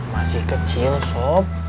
masih kecil sob